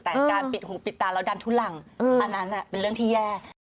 แต่การปิดหูปิดตาแล้วดันทุหลังอันนั้นเป็นเรื่องที่แย่